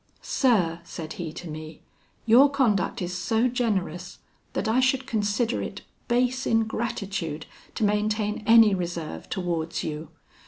"Sir," said he to me, "your conduct is so generous, that I should consider it base ingratitude to maintain any reserve towards you.